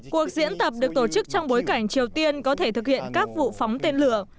cuộc diễn tập được tổ chức trong bối cảnh triều tiên có thể thực hiện các vụ phóng tên lửa